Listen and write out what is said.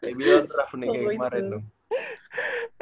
ibl nge traf ini kayak kemarin loh